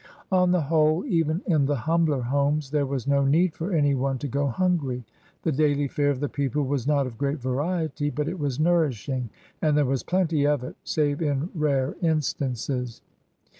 On the whole, even in the humbler homes there was no need for any one to go hungry. The daily fare of the people was not of great variety, but it was nourishing, and there was plenty of it save in rare instances.